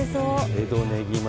江戸ねぎま